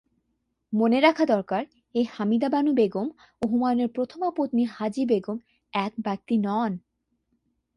মনে রাখা দরকার, এই হামিদা বানু বেগম ও হুমায়ুনের প্রথমা পত্নী হাজি বেগম এক ব্যক্তি নন।